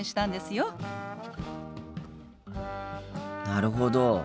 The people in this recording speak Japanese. なるほど。